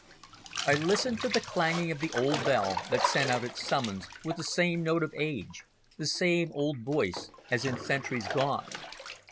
I listened to the clanking of the old bell that sent out its summons with the same note of age, the same old voice as in centuries gone.